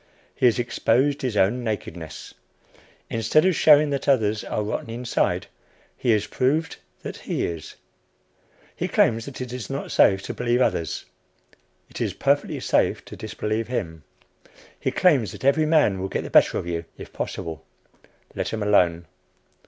he has exposed his own nakedness. Instead of showing that others are rotten inside, he has proved that he is. He claims that it is not safe to believe others it is perfectly safe to disbelieve him. He claims that every man will get the better of you if possible let him alone!